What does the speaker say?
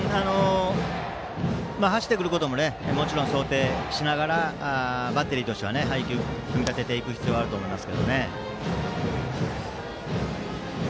走ってくることももちろん想定しながらバッテリーとしては配球を組み立てる必要があると思います。